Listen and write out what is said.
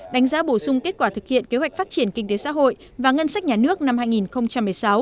đánh giá bổ sung kết quả thực hiện kế hoạch phát triển kinh tế xã hội và ngân sách nhà nước năm hai nghìn một mươi sáu